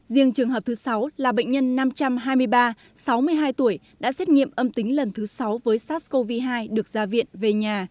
riêng trường hợp thứ sáu là bệnh nhân năm trăm hai mươi ba sáu mươi hai tuổi đã xét nghiệm âm tính lần thứ sáu với sars cov hai được ra viện về nhà